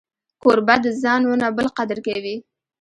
کوربه د ځان و نه بل قدر کوي.